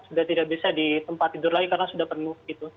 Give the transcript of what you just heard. sudah tidak bisa di tempat tidur lagi karena sudah penuh